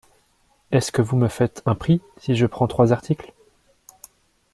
Est-ce que vous me faites un prix si je prends trois articles?